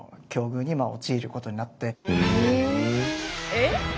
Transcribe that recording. えっ？